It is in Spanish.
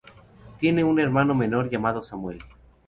Tiene un hermano menor llamado Samuel.